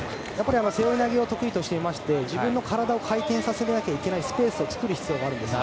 背負い投げを得意としていまして自分の体を回転しなきゃいけないスペースを作る必要があるんですね。